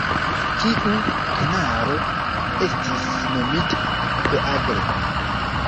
Tiu kanalo estis nomita Beagle.